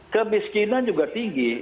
kemiskinan juga tinggi